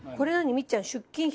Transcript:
みっちゃん。